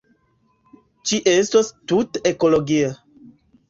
Ĝi estos tute ekologia.